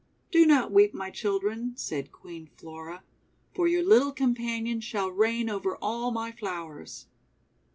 14 Do not weep, my children," said Queen Flora, "for your little companion shall reign over all my flowers."